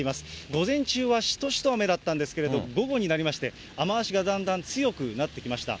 午前中はしとしと雨だったんですけれど、午後になりまして、雨足がだんだん強くなってきました。